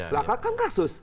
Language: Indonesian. nah kan kasus